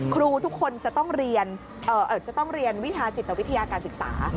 ครูทุกคนจะต้องเรียนวิทยาจิตวิทยาการศึกษา